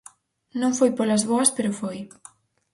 Non foi polas boas pero foi.